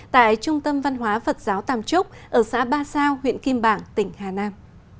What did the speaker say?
tại trung tâm văn hóa phật giáo tàm trúc ở xã ba sao huyện kim bảng tỉnh hà nam